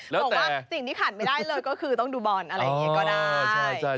บอกว่าสิ่งที่ขาดไม่ได้เลยก็คือต้องดูบอลอะไรอย่างนี้ก็ได้